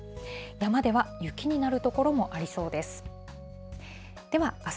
山では雪になる所もありそうです。